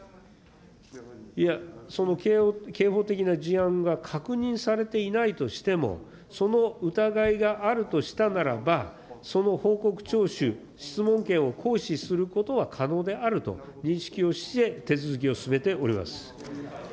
いや、その刑法的な事案が確認されていないとしても、その疑いがあるとしたならば、その報告徴収、質問権を行使することは可能であると認識をして、手続きを進めております。